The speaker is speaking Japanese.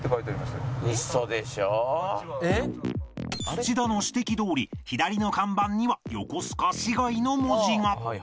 土田の指摘どおり左の看板には「横須賀市街」の文字が